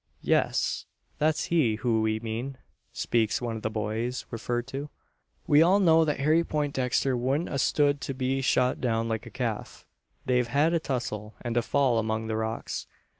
"Yes, that's he who we mean," speaks one of the "boys" referred to. "We all know that Harry Poindexter wouldn't a stood to be shot down like a calf. They've had a tussle, and a fall among the rocks.